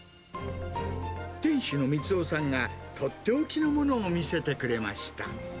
店主の光雄さんが、とっておきのものを見せてくれました。